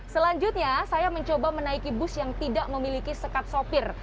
selanjutnya saya mencoba menaiki bus yang tidak memiliki sekat sopir